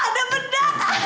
ah ada bedak